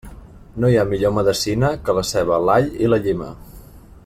No hi ha millor medecina que la ceba, l'all i la llima.